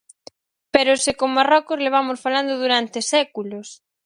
Pero se con Marrocos levamos falando durante séculos.